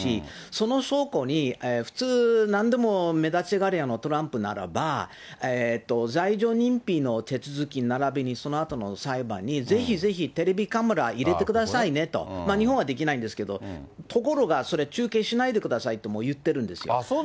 その証拠に、普通、なんでも目立ちたがり屋のトランプならば、罪状認否の手続きならびにそのあとの裁判にぜひぜひテレビカメラ入れてくださいねと、日本はできないんですけれども、ところが、それ、中継しないでくださいとも言ってるんですよ。